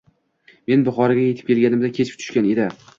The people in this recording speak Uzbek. Men Buxoroga yetib kelganimda kech tushgan edi.